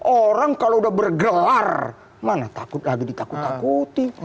orang kalau udah bergelar mana takut lagi ditakut takuti